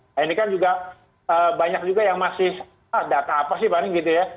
nah ini kan juga banyak juga yang masih data apa sih paling gitu ya